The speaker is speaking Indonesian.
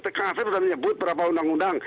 teknologi sudah menyebut berapa undang undang